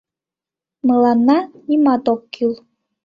Мыланна нимат ок кӱл.